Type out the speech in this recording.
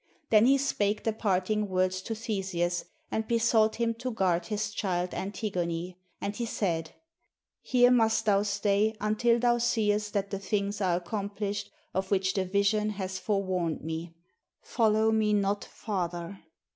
Then he spake the parting words to Theseus, and besought him to guard his child Antigone; and he said, "Here must thou stay until thou seest that the things are accomplished of which the vision hath forewarned me. Follow me not farther."